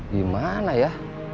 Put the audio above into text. gak ada ya